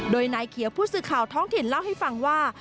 โดยนายเขียวผู้สื่อข่าวท้องถิ่นเล่าให้ฟังว่า